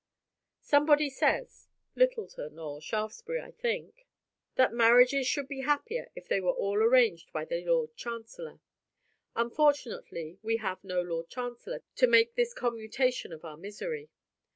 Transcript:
Somebody says Lyttleton or Shaftesbury, I think that "marriages would be happier if they were all arranged by the Lord Chancellor." Unfortunately, we have no Lord Chancellor to make this commutation of our misery.